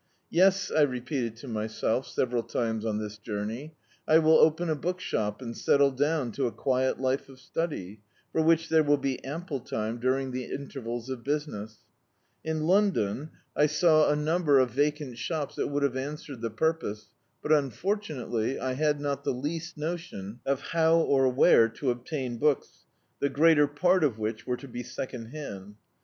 "Yes," I repeated to myself, several times on diis journey. "I will (^>en a bookshop and settle down to a quiet life of study, for which there will be ample time during the intervals of business." In Londcm I saw a [»69] D,i.i,dt,Googlc The Autobiography of a Super Tramp number of vacant shops that would have answered the purpose, but unfortunately, I had not the least notion of how or where to obtain books, the greater part of which were to be second hand.